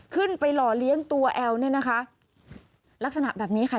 หล่อเลี้ยงตัวแอลเนี่ยนะคะลักษณะแบบนี้ค่ะ